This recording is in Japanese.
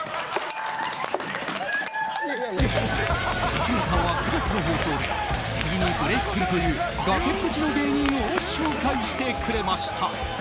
吉村さんは９月の放送で次にブレークするという崖っぷちの芸人を紹介してくれました。